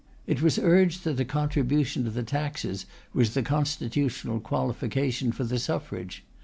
It was urged that a contribution to the taxes was the constitutional qualification for the suffrage.